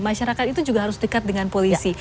masyarakat itu juga harus dekat dengan polisi